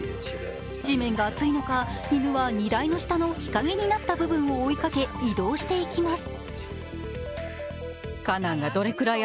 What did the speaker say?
地面が暑いのか、犬は荷台の下の日陰になった部分を追いかけ移動していきます。